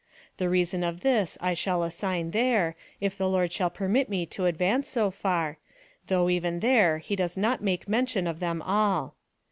The reason of this I shall assign there, if the Lord shall permit me to advance so far, though even there he does not make men tion of them all.